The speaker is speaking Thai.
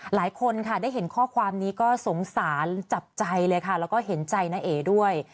หลายคนค่ะได้เห็นข้อความนี้ก็สงสารจับใจเลยค่ะแล้วก็เห็นใจน้าเอด้วย